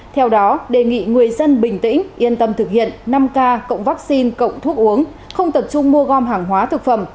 theo đó đề nghị người dân bình tĩnh yên tâm thực hiện năm k cộng vaccine cộng thuốc uống không tập trung mua gom hàng hóa thực phẩm